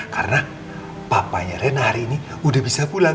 karena papanya rena hari ini udah bisa pulang